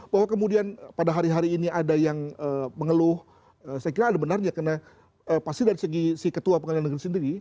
bahwa kemudian pada hari hari ini ada yang mengeluh saya kira ada benarnya karena pasti dari segi si ketua pengadilan negeri sendiri